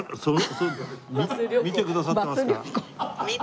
見てくださってますか？